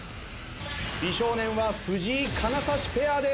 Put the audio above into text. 美少年は藤井金指ペアです。